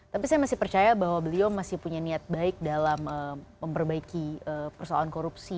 tapi saya masih percaya bahwa beliau masih punya niat baik dalam memperbaiki persoalan korupsi